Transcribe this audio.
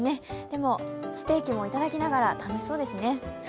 でもステーキもいただきながら、楽しいですね。